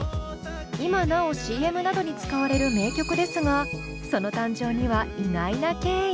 今なおＣＭなどに使われる名曲ですがその誕生には意外な経緯が。